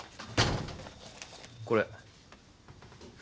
これ。